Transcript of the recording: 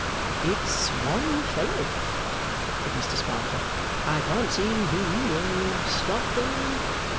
'It's one fellow,' said Mr Sparkler. 'I can't see who stop though!